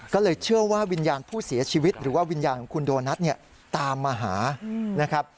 ก็เลยเชื่อว่าวิญญาณผู้เสียชีวิตหรือว่าวิญญาณของคุณโดนัทเนี่ยตามมาหานะครับ